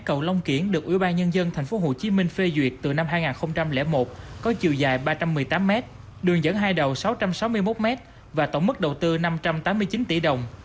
cầu long kiển được ubnd tp hcm phê duyệt từ năm hai nghìn một có chiều dài ba trăm một mươi tám m đường dẫn hai đầu sáu trăm sáu mươi một m và tổng mức đầu tư năm trăm tám mươi chín tỷ đồng